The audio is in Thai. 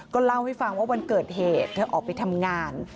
เล่าให้ฟังว่าวันเกิดเหตุเธอออกไปทำงาน